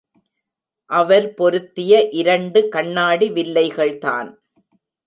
அவர் பொருத்திய இரண்டு கண்ணாடி வில்லைகள்தான்.